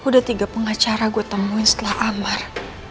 sudah tiga pengacara saya temukan setelah ammar